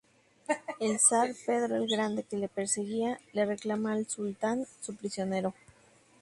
El zar Pedro el Grande, que le perseguía, le reclama al sultán su prisionero.